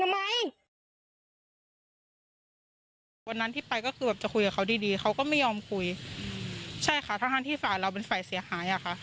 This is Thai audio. มึงมาถามมาเยอะเดียมันให้พวกนั้นมาคุยว่าให้มาคุย